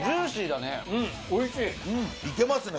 いけますね